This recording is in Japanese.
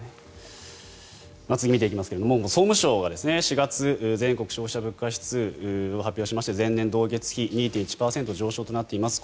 次見ていきますが総務省が４月全国消費者物価指数を発表しまして前年同月比２．１％上昇となっています。